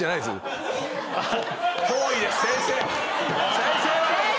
先生！